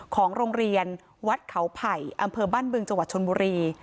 ของโรงเรียนวัดเขาไผ่อำเภอบ้านบึงจังหวัดชนบุรี